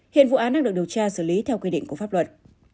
hiện vụ án đang được điều tra xử lý theo quy định của pháp luật